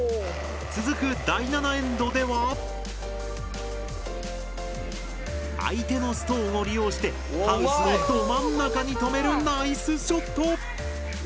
続く第７エンドでは相手のストーンを利用してハウスのど真ん中に止めるナイスショット！